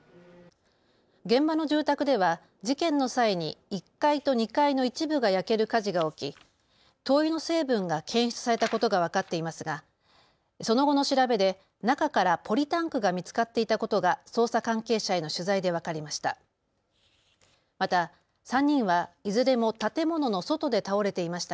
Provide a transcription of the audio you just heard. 現場の住宅では事件の際に１階と２階の一部が焼ける火事が起き灯油の成分が検出されたことが分かっていますがその後の調べで中からポリタンクが見つかっていたことが捜査関係者への取材で分かりました。